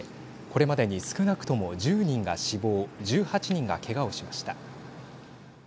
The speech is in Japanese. これまでに少なくとも１０人が死亡１８人が、けがをしました。